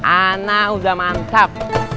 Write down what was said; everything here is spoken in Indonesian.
anak udah mantap